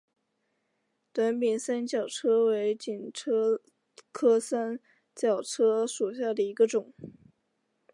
短柄三角车为堇菜科三角车属下的一个种。